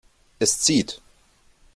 Es zieht.